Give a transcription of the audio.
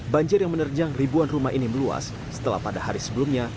banjir yang menerjang ribuan rumah ini meluas setelah pada hari sebelumnya